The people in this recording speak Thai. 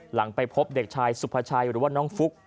หลังไปพบเด็กชายสุภาชัยหรือว่าน้องฟุ๊ก